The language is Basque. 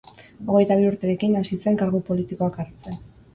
Hogeita bi urterekin hasi zen kargu politikoak hartzen.